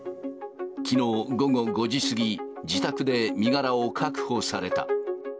きのう午後５時過ぎ、自宅で身柄を確保された。